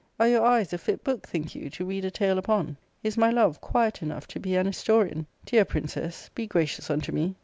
Are your eyes a fit book, think you, to read a tale upon ? Is my love quiet enough to be an historian ? Dear princess, be gracious unto me."